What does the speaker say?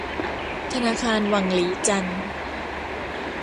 ธนาคารหวั่งหลีจัน